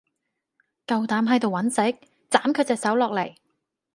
夠膽喺度搵食？斬佢隻手落嚟！